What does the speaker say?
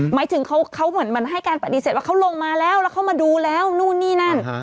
หมายถึงเขาเหมือนให้การปฏิเสธว่าเขาลงมาแล้วแล้วเขามาดูแล้วนู่นนี่นั่น